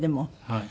はい。